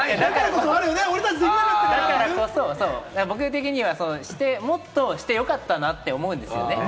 だからこそ、僕的にはもっとしてよかったなって思うんですよね。